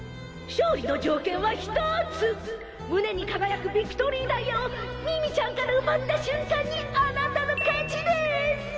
勝利の条件はひと胸に輝くビクトリーダイヤをミミちゃんから奪った瞬間にあなたの勝ちです！